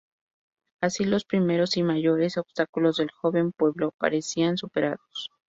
Así, los primeros y mayores obstáculos del joven pueblo parecían superados.